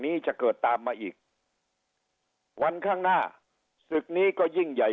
นี้จะเกิดตามมาอีกวันข้างหน้าศึกนี้ก็ยิ่งใหญ่